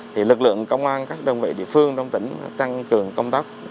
thì lực lượng công an các đơn vị địa phương trong tỉnh tăng cường công tác